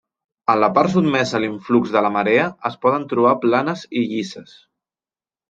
En la part sotmesa a l'influx de la marea es poden trobar planes i llisses.